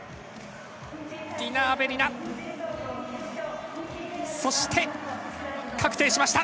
ディナ・アベリナ、確定しました。